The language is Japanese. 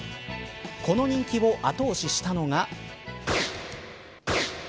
この人気を後押ししたのが。